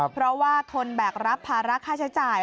เพราะว่าทนแบกรับภาระค่าใช้จ่าย